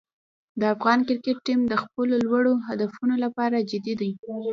د افغان کرکټ ټیم د خپلو لوړو هدفونو لپاره جدي دی.